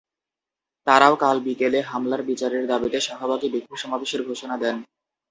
তাঁরাও কাল বিকেলে হামলার বিচারের দাবিতে শাহবাগে বিক্ষোভ সমাবেশের ঘোষণা দেন।